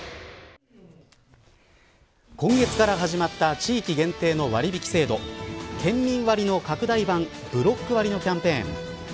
今月から始まった地域限定の割引制度県民割の拡大版ブロック割のキャンペーン。